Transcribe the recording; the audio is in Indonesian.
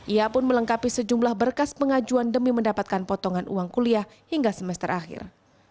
ia pun melengkapi sejumlah berkas pengajuan demi mendapatkan potongan uang kuliah hingga semester akhir